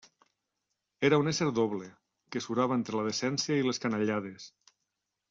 Era un ésser doble, que surava entre la decència i les canallades.